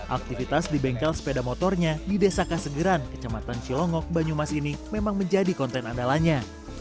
aktivitas di bengkel sepeda motornya di desa kasegeran kecamatan cilongok banyumas ini memang menjadi konten andalanya